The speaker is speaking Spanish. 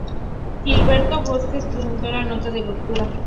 Gilberto Bosques presentó la nota de ruptura.